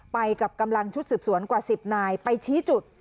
ไปกับกำลังชุดสืบสวนกว่า๑๐นายไปชี้จุด